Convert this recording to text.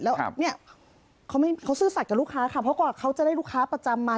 แล้วเนี่ยเขาซื่อสัตว์กับลูกค้าค่ะเพราะกว่าเขาจะได้ลูกค้าประจำมา